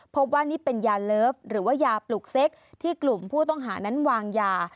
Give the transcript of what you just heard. พบว่านี่เป็นยาเลิฟหรือว่ายาปลุกเซ็กที่กลุ่มผู้ต้องหานั้นวางยา